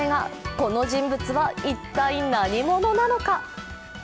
この人物は一体何者なのか？